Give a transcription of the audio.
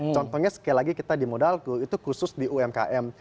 contohnya sekali lagi kita di modalku itu khusus di umkm